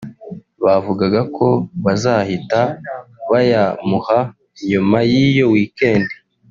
bavugaga ko bazahita bayamuha nyuma y’iyo weekend